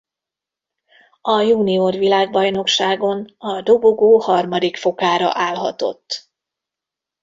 A junior világbajnokságon a dobogó harmadik fokára állhatott.